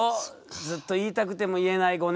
ずっと言いたくても言えない５年。